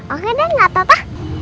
oke deh nggak papa